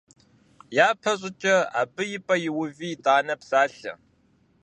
Япэщӏыкӏэ абы и пӏэ иуви итӏанэ псалъэ.